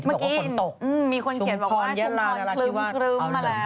เมื่อกี้มีคนเขียนบอกว่าชุมพรเย็นลาวพลิกที่ว่าชุมพรคลึมมาแล้ว